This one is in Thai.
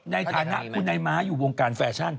ในฐานะคุณนายม้าอยู่วงการแฟชั่น